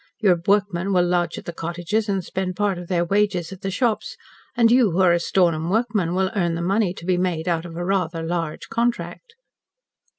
Your workmen will lodge at the cottages and spend part of their wages at the shops, and you who are a Stornham workman will earn the money to be made out of a rather large contract."